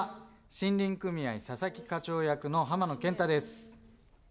森林組合佐々木課長役の浜野謙太です。